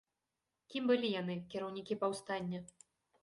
Кім былі яны, кіраўнікі паўстання?